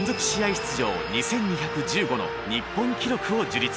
出場２，２１５の日本記録を樹立。